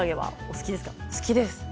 好きです。